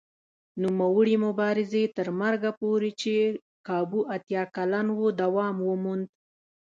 نوموړي مبارزې تر مرګه پورې چې کابو اتیا کلن و دوام وموند.